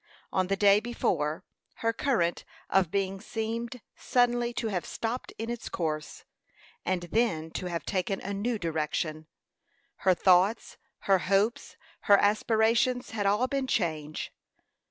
On the day before, her current of being seemed suddenly to have stopped in its course, and then to have taken a new direction. Her thoughts, her hopes, her aspirations had all been changed.